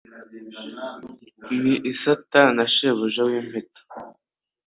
N' isata na shebuja w' Impeta